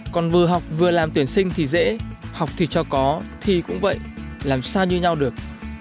còn vừa học vừa làm tuyển sinh thì dễ học thì cho có thi cũng vậy làm sao như nhau được